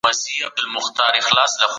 انساني اړیکي په اړتیا ولاړې دي.